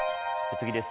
次です。